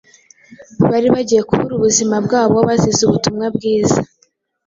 bari bagiye kubura ubuzima bwabo bazize ubutumwa bwiza